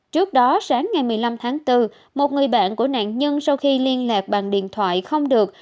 trước đó sáng ngày một mươi năm tháng bốn một người bạn của nạn nhân sau khi liên lạc bằng điện thoại không được